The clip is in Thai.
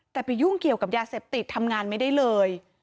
แต่ไปยุ่งเกี่ยวกับยาเสพติดทำงานไม่ได้เลย